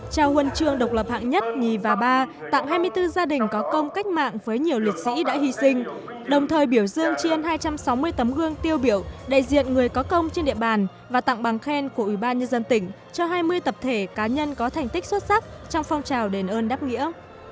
trao huân chương độc lập hạng nhất nhì và ba tặng hai mươi bốn gia đình có công cách mạng với nhiều liệt sĩ đã hy sinh đồng thời biểu dương chiên hai trăm sáu mươi tấm gương tiêu biểu đại diện người có công trên địa bàn và tặng bằng khen của ủy ban nhân dân tỉnh cho hai mươi tập thể cá nhân có thành tích xuất sắc trong phong trào đền ơn đáp nghĩa